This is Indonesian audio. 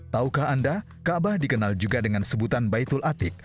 taukah anda ka'bah dikenal juga dengan sebutan baitul atiq